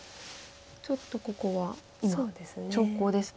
ちょっとここは今長考ですね。